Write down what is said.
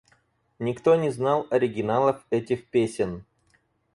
Никто не знал оригиналов этих песен.